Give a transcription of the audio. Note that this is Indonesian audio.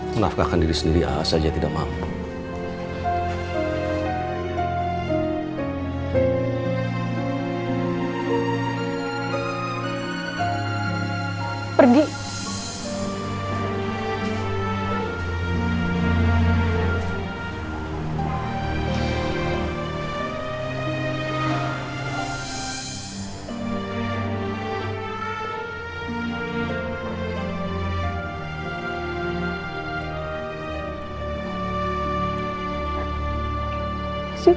menafkahkan diri sendiri aa saja tidak mampu